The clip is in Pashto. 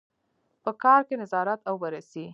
په کار کې نظارت او بررسي.